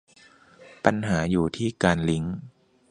ปัญหาอยู่ที่การลิงก์